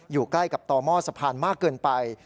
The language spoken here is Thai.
อยู่ใกล้กับต่อหม้อสะพานมากเกินไป